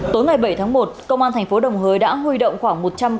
tối ngày bảy tháng một công an thành phố đồng hới đã huy động khoảng một triệu đồng